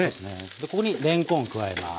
でここにれんこんを加えます。